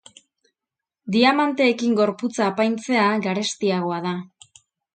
Diamanteekin gorputza apaintzea, garestiagoa da.